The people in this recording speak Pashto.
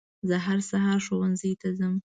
زه هر سهار ښوونځي ته ځم